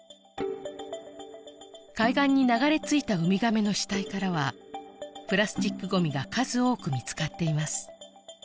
海岸に流れ着いたウミガメの死体からはプラスチックごみが数多く見つかっています